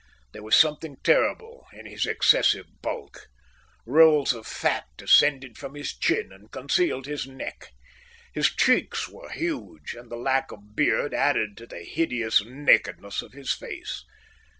There was something terrible in his excessive bulk. Rolls of fat descended from his chin and concealed his neck. His cheeks were huge, and the lack of beard added to the hideous nakedness of his face.